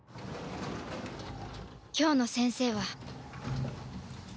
今日の先生は